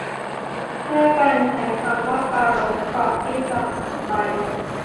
ช่วยกันใช้คำว่าปรารภ ก่อนที่จะหายไป